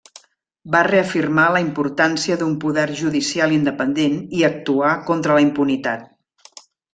Va reafirmar la importància d'un poder judicial independent i actuar contra la impunitat.